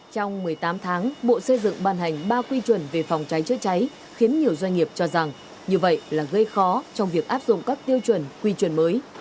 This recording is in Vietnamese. trong một mươi tám tháng bộ xây dựng ban hành ba quy chuẩn về phòng cháy chữa cháy khiến nhiều doanh nghiệp cho rằng như vậy là gây khó trong việc áp dụng các tiêu chuẩn quy chuẩn mới